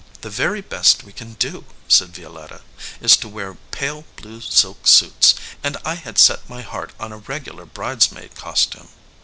"The very best we can do," said Violetta, "is to wear pale blue silk suits, and I had set my heart on a regular bridesmaid costume.